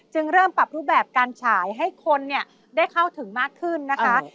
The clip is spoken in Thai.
เริ่มปรับรูปแบบการฉายให้คนได้เข้าถึงมากขึ้นนะคะ